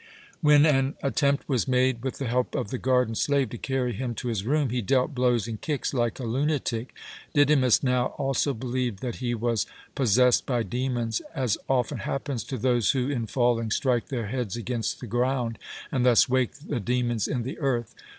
When an attempt was made, with the help of the garden slave, to carry him to his room, he dealt blows and kicks like a lunatic. Didymus now also believed that he was possessed by demons, as often happens to those who, in falling, strike their heads against the ground, and thus wake the demons in the earth.